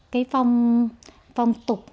cái phong tục